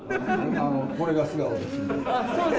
これが素顔ですので。